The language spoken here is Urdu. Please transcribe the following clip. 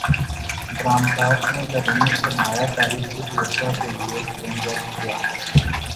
برامدات میں بیرونی سرمایہ کی توجہ کیلئے فریم ورک تیار